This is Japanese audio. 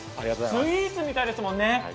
スイーツみたいですもんね。